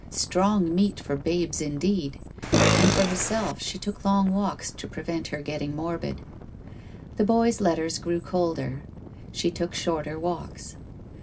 Strong meat for babes indeed ! And for herself, she took long walks to prevent her getting morbid. The boy's letters grew colder. She took shorter walks.